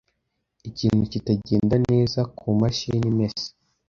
Ikintu kitagenda neza kumashini imesa.